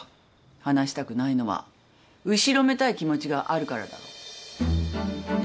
話したくないのは後ろめたい気持ちがあるからだろ。